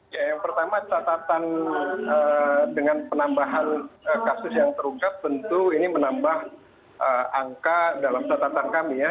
ya yang pertama catatan dengan penambahan kasus yang terungkap tentu ini menambah angka dalam catatan kami ya